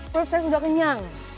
terus saya sudah kenyang